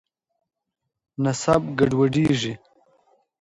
نسب ګډوډېږي.